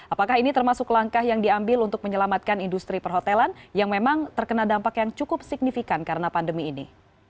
apakah ini termasuk langkah yang diambil untuk menyelamatkan industri perhotelan yang memang terkena dampak yang cukup signifikan karena pandemi ini